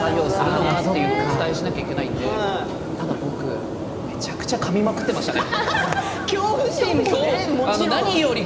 ここで実際の作業をするのかというのをお伝えしなきゃいけないなってただ僕めちゃくちゃかみまくっていましたね。